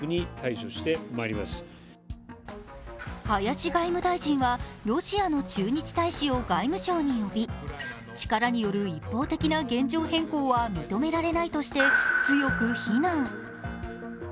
林外務大臣はロシアの駐日大使を外務省に呼び、力による一方的な現状変更は認められないとして強く非難。